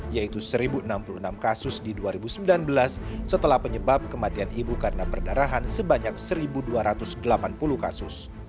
yaitu satu enam puluh enam kasus di dua ribu sembilan belas setelah penyebab kematian ibu karena perdarahan sebanyak satu dua ratus delapan puluh kasus